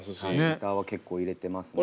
ギターは結構入れてますね。